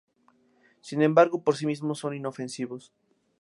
Sin embargo, por sí mismo son inofensivos.